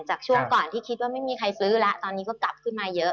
ช่วงก่อนที่คิดว่าไม่มีใครซื้อแล้วตอนนี้ก็กลับขึ้นมาเยอะ